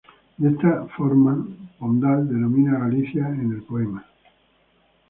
De esta la forma Pondal denomina a Galicia en el poema.